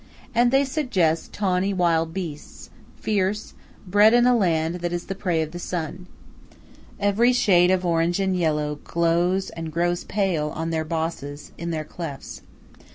And they suggest tawny wild beasts, fierce, bred in a land that is the prey of the sun. Every shade of orange and yellow glows and grows pale on their bosses, in their clefts.